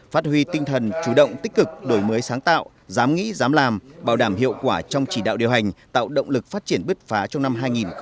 phát huy tinh thần chủ động tích cực đổi mới sáng tạo dám nghĩ dám làm bảo đảm hiệu quả trong chỉ đạo điều hành tạo động lực phát triển bứt phá trong năm hai nghìn hai mươi